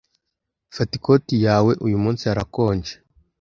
Fata ikoti yawe. Uyu munsi harakonje.